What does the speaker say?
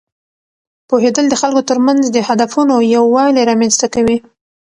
پوهېدل د خلکو ترمنځ د هدفونو یووالی رامینځته کوي.